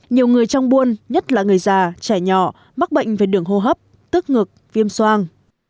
nhiều người trong buôn nhất là người già trẻ nhỏ mắc bệnh về đường hô hấp tức ngực viêm soang